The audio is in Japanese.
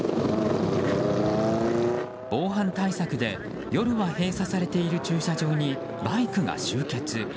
防犯対策で夜は閉鎖されている駐車場にバイクが集結。